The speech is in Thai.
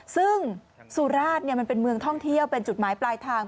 ซึ่งสุราชมันเป็นเมืองท่องเที่ยวเป็นจุดหมายปลายทาง